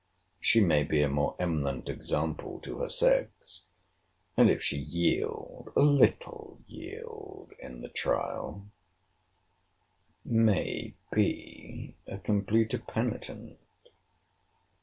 She may be a more eminent example to her sex; and if she yield (a little yield) in the trial, may be a completer penitent.